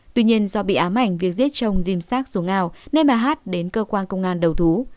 tuy nhiên do bị ám ảnh việc giết chồng dìm sát xuống ao nên bà hát đến cơ quan công an đầu thú